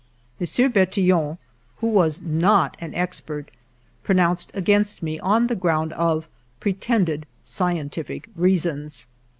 M. Bertillon, who was not an ex pert, pronounced against me on the ground of pretended scientific reasons.